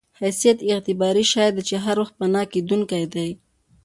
حیثیت اعتباري شی دی چې هر وخت پناه کېدونکی دی.